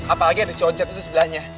apalagi ada si ojat itu sebelahnya